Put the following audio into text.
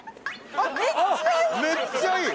めっちゃいい！